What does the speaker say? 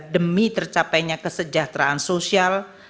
demi tercapainya kesejahteraan sosial